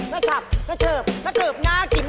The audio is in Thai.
น้าจับน้าเฉิบน้าเกิบง้ากิน